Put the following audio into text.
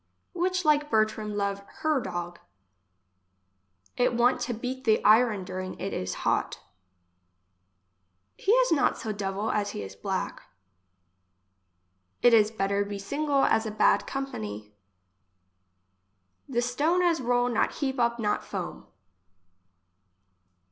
Which like Bertram, love hir dog. It want to beat the iron during it is hot. He is not so devil as he is black. It is better be single as a bad company. The stone as roll not heap up not foam.